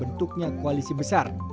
bentuknya koalisi besar